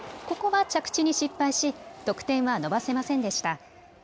ここは着地に失敗し得点は伸ばせませんでした。